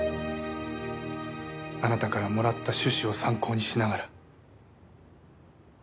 あなたからもらったシュシュを参考にしながら。